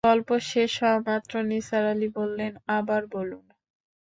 গল্প শেষ হওয়ামাত্র নিসার আলি বললেন, আবার বলুন।